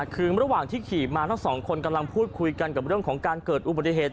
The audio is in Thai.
คือระหว่างที่ขี่มาทั้งสองคนกำลังพูดคุยกันกับเรื่องของการเกิดอุบัติเหตุ